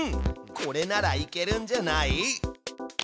これならいけるんじゃない？